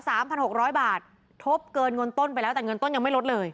พันหกร้อยบาททบเกินเงินต้นไปแล้วแต่เงินต้นยังไม่ลดเลย